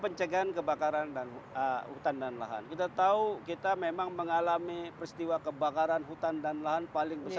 dan hutan dan lahan kita tahu kita memang mengalami peristiwa kebakaran hutan dan lahan paling besar